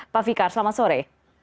pak fikar selamat sore